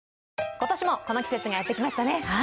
今年もこの季節がやってきましたね。